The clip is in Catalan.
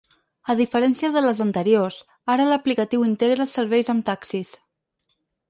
A diferència de les anteriors, ara l’aplicatiu integra els serveis amb taxis.